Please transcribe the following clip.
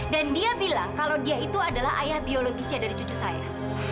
dan dia bilang kalau dia itu adalah ayah biologisnya dari cucu saya